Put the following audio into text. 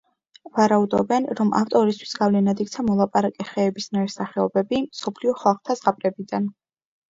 ვარაუდობენ, რომ ავტორისთვის გავლენად იქცა მოლაპარაკე ხეების ნაირსახეობები, მსოფლიო ხალხთა ზღაპრებიდან.